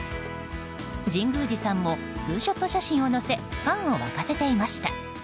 神宮寺さんもツーショット写真を載せファンを沸かせていました。